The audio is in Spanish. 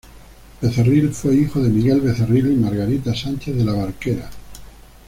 Becerril fue hijo de Miguel Becerril y Margarita Sánchez de la Barquera.